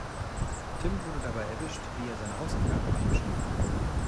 Tim wurde dabei erwischt, wie er seine Hausaufgaben abgeschrieben hat.